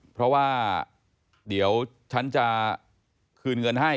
เพราะว่าเดี๋ยวฉันจะคืนเงินให้